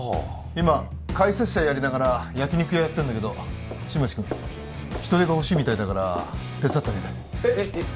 今解説者やりながら焼き肉屋やってんだけど新町くん人手が欲しいみたいだから手伝ってあげてえっえっえっ